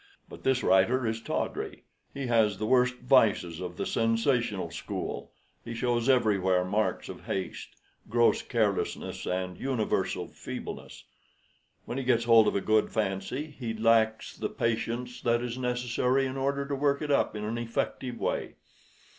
But this writer is tawdry; he has the worst vices of the sensational school he shows everywhere marks of haste, gross carelessness, and universal feebleness. When he gets hold of a good fancy, he lacks the patience that is necessary in order to work it up in an effective way.